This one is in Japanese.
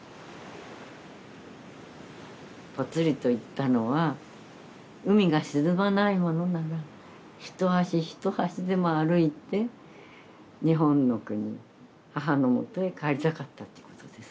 ぽつりと言ったのは海が沈まないものなら一足一足でも歩いて日本の国母のもとへ帰りたかったっていうことです